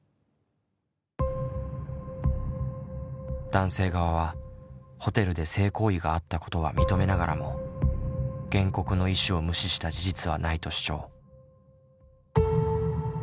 男性側はホテルで性行為があったことは認めながらも原告の意思を無視した事実はないと主張。